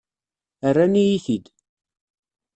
Rran-iyi-t-id.